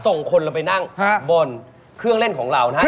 ส่งคนเราไปนั่งบนเครื่องเล่นของเรานะฮะ